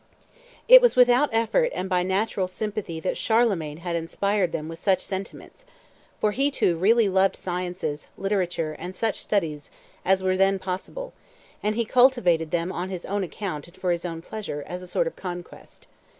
It was without effort and by natural sympathy that Charlemagne had inspired them with such sentiments; for he, too, really loved sciences, literature, and such studies as were then possible, and he cultivated them on his own account and for his own pleasure, as a sort of conquest.